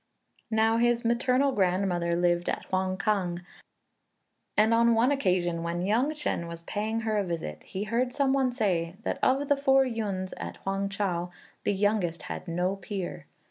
Now his maternal grandmother lived at Huang kang; and on one occasion, when young Chên was paying her a visit, he heard some one say that of the four Yüns at Huang chou the youngest had no peer.